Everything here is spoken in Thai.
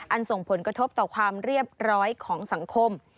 ส่งผลกระทบต่อความเรียบร้อยของสังคม